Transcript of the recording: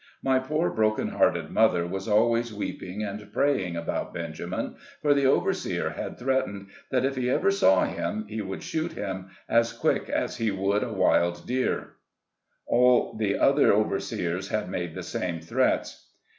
My poor broken hearted mother was always weeping and praying about Benjamin, for the overseer had threat ened that if he ever saw him, he would shoot him, as quick as he would a wild deer. All the other overseers had made the same threats.